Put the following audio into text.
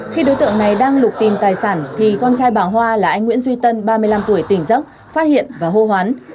khi đối tượng này đang lục tìm tài sản thì con trai bà hoa là anh nguyễn duy tân ba mươi năm tuổi tỉnh dốc phát hiện và hô hoán